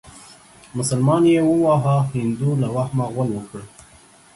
مسلمان يې واهه هندو له وهمه غول وکړه.